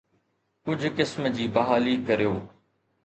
ڪجهه قسم جي بحالي ڪريو.